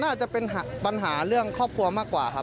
อาจจะเป็นปัญหาเรื่องครอบครัวมากกว่าครับ